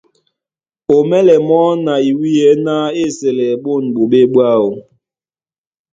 Á ómɛ́lɛ́ mɔ́ na iwíyɛ́ ná á esɛlɛ ɓôn ɓoɓé ɓwáō.